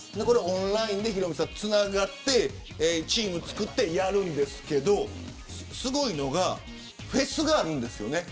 オンラインでつながってチームを作ってやるんですがすごいのがフェスがあるんです。